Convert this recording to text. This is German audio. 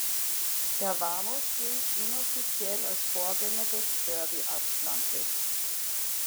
Der Vamos gilt inoffiziell als Vorgänger des Derbi Atlantis.